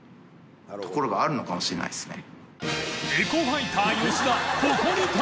ところがあるのかもしれないですね。